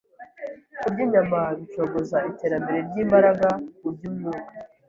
Kurya inyama bicogoza iterambere ry’imbaraga mu by’umwuka